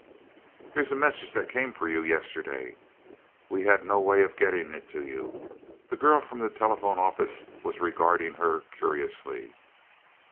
"Here's a message that came for you yesterday; we had no way of getting it to you." The girl from the telephone office was regarding her curiously.